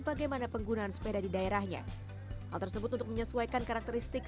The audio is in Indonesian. bagaimana penggunaan sepeda di daerahnya hal tersebut untuk menyesuaikan karakteristik